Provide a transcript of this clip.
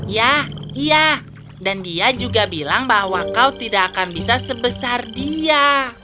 ya iya dan dia juga bilang bahwa kau tidak akan bisa sebesar dia